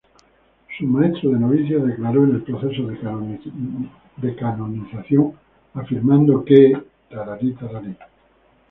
Su Maestro de Novicios declaró en el proceso de canonización afirmando que "Fr.